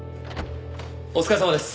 お疲れさまです。